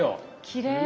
きれい。